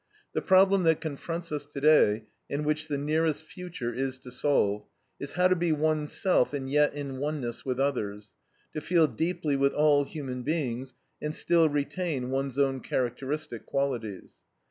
The problem that confronts us today, and which the nearest future is to solve, is how to be one's self and yet in oneness with others, to feel deeply with all human beings and still retain one's own characteristic qualities.